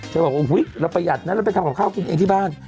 บอกว่าอุ๊ยเราประหยัดนะเราไปทำกับข้าวกินเองที่บ้าน